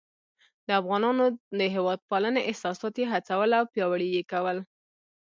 د افغانانو د هیواد پالنې احساسات یې هڅول او پیاوړي یې کول.